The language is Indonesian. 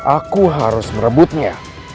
aku harus merebutnya